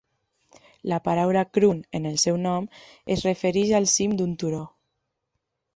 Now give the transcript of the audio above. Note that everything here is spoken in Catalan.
La paraula "kroon" en el seu nom es refereix al cim d'un turó.